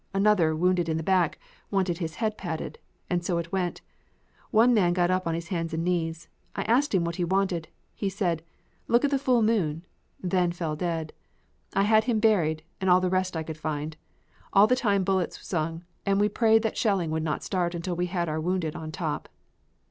Another, wounded in the back, wanted his head patted, and so it went; one man got up on his hands and knees. I asked him what he wanted. He said, "Look at the full moon," then fell dead. I had him buried, and all the rest I could find. All the time bullets sung and we prayed that shelling would not start until we had our wounded on top.